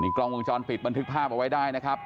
กล้องวงจรปิดบันทึกภาพเอาไว้ได้นะครับ